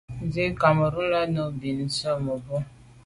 Ndzî Cameroun là'də̌ nù bìn à' tswə́ mə̀bró.